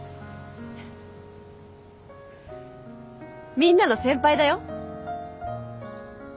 みんなの先輩だよ。